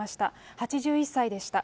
８１歳でした。